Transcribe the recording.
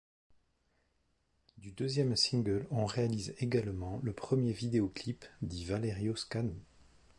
Du deuxième single on réalise également le premier vidéoclip di Valerio Scanu.